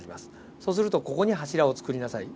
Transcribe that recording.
そうするとここに柱を作りなさい。